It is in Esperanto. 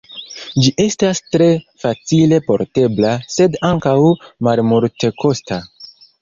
Ĝi estas tre facile portebla, sed ankaŭ malmultekosta.